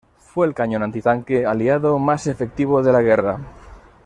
Fue el cañón antitanque Aliado más efectivo de la guerra.